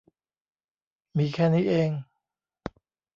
มีแค่นี้เอง